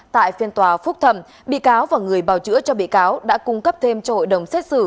tại phiên tòa phúc thẩm bị cáo và người bảo chữa cho bị cáo đã cung cấp thêm cho hội đồng xét xử